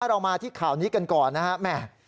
เรามาที่ข่าวนี้กันก่อนนะครับ